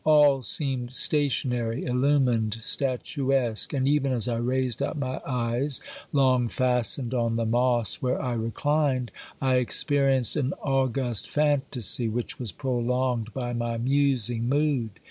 All seemed stationary, illumined, statuesque, and even as I raised up my eyes, long fastened on the moss where I reclined, I experienced an august fantasy which was prolonged by my musing mood.